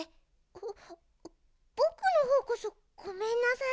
ぼぼくのほうこそごめんなさい。